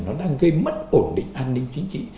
nó đang gây mất ổn định an ninh chính trị